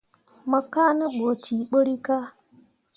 Mo kaa ne ɓu cee ɓǝrrikah.